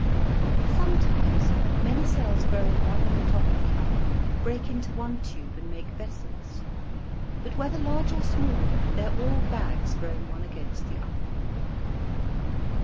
Sometimes many cells growing one on the top of the other break into one tube and make vessels. But whether large or small, they are all bags growing one against the other.